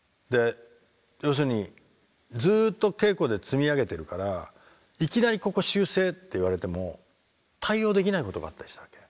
要するにずっと稽古で積み上げてるからいきなり「ここ修正」って言われても対応できないことがあったりしたわけ。